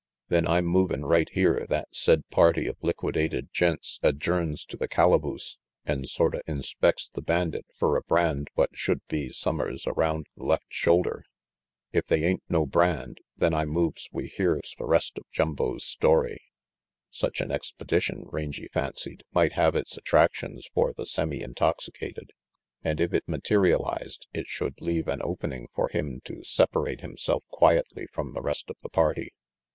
"Then I'm movin' right here that said party of liquidated gents adjourns to the calaboose an' sorta RANGY PETE 191 inspects the bandit fer a brand what should be summers around the left shoulder. If they ain't no brand, then I moves we hears the rest of Jumbo's story." Such an expedition, feangy fancied, might have its attractions for the semi intoxicated, and if it materialized it should leave an opening for him to separate himself quietly from the rest of the party.